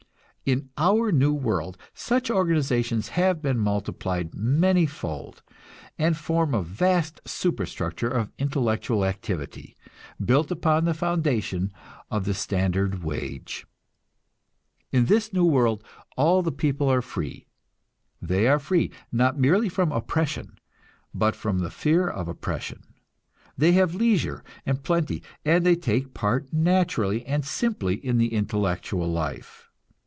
In our new world such organizations have been multiplied many fold, and form a vast superstructure of intellectual activity, built upon the foundation of the standard wage. In this new world all the people are free. They are free, not merely from oppression, but from the fear of oppression; they have leisure and plenty, and they take part naturally and simply in the intellectual life.